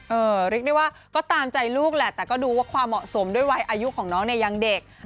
เรียกได้ว่าก็ตามใจลูกแหละแต่ก็ดูว่าความเหมาะสมด้วยวัยอายุของน้องเนี่ยยังเด็ก